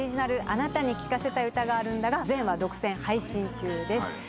『あなたに聴かせたい歌があるんだ』が全話独占配信中です。